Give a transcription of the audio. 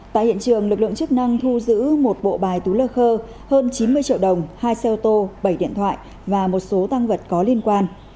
tại hiện trường lực lượng chức năng thu giữ một bộ bài tú lơ khơ hơn chín mươi triệu đồng hai xe ô tô bảy điện thoại và một số tăng vật có liên quan